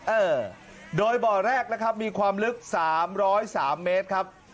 เออโดยบ่อแรกนะครับมีความลึก๓๐๓เมตรครับ